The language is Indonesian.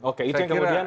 oke itu yang kemudian